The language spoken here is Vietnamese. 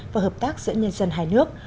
và hợp tác giữa nhân dân hai nước